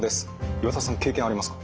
岩田さん経験ありますか？